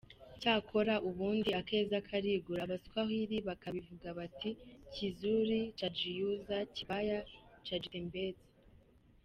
Cyakora ubundi akeza karigura, abaswahili bakabivuga bati “Kizuri chajiuza, kibaya chajitembeza”.